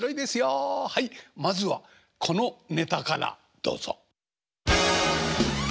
はいまずはこのネタからどうぞ。